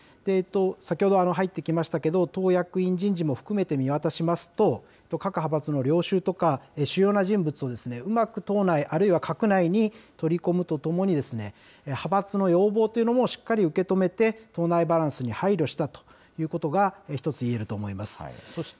先ほど、入ってきましたけど、党役員人事も含めて見渡しますと、各派閥の領袖とか主要な人物をうまく党内、あるいは閣内に取り込むとともに、派閥の要望というのもしっかり受け止めて、党内バランスに配慮したということが一つ言えると思います。